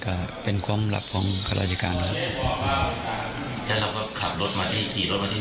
ก็เป็นความรับของการราชิการครับ